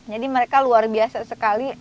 jadi mereka luar biasa sekali